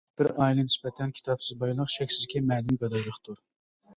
بىر ئائىلىگە نىسبەتەن كىتابسىز بايلىق شەكسىزكى مەنىۋى گادايلىقتۇر.